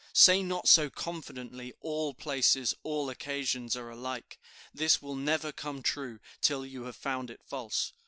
Say not so confidently, all places, all occasions are alike. This will never come true till you have found it false.